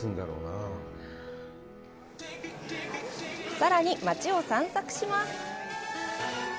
さらに、街を散策します。